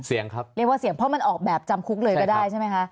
เรียกว่าเสี่ยงเพราะมันออกแบบจำคุกเลยก็ได้ใช่ไหมครับ